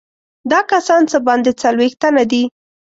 دا کسان څه باندې څلوېښت تنه دي.